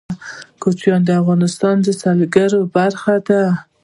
کوچیان د افغانستان د سیلګرۍ برخه ده.